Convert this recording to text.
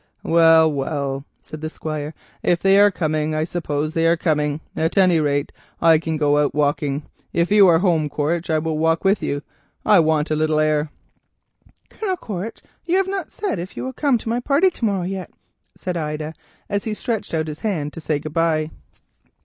"Well, well," said the Squire, "if they are coming, I suppose they are coming. At any rate, I can go out. If you are going home, Quaritch, I will walk with you. I want a little air." "Colonel Quaritch, you have not said if you will come to my party to morrow, yet," said Ida, as he stretched out his hand to say good bye.